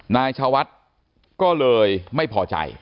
นายชาวัดก็เลยไม่พอใจ